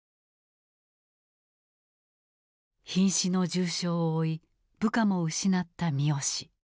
ひん死の重傷を負い部下も失った三好。